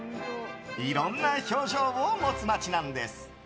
いろんな表情を持つ街なんです。